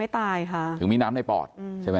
ถึงมีน้ำในปอด